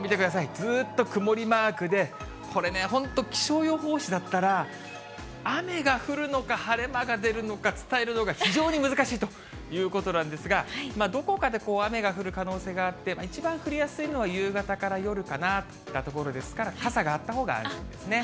ずっと曇りマークで、これね、本当、気象予報士だったら雨が降るのか晴れ間が出るのか、伝えるのが非常に難しいということなんですが、どこかでこう雨が降る可能性があって、一番降りやすいのは夕方から夜かなといったところですから、傘があったほうが安心ですね。